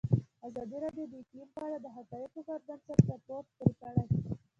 ازادي راډیو د اقلیم په اړه د حقایقو پر بنسټ راپور خپور کړی.